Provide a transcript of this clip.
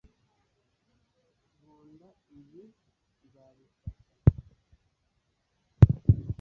Nkunda ibi Nzabifata